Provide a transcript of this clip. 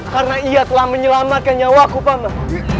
karena ia telah menyelamatkan nyawaku paman